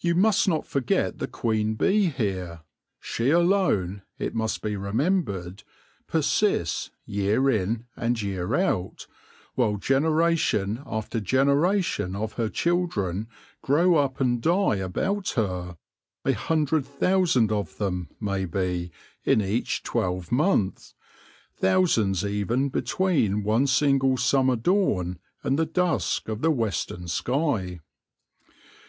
You must not forget the queen bee here. She alone, it must be remembered, persists year in and year out, while generation after generation of her children grow up and die about her — a hundred thousand of them, may be, in each twelve month, thousands even between one single summer dawn and the dusk of the western sky.